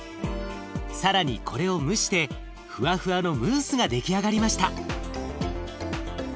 更にこれを蒸してフワフワのムースが出来上がりました。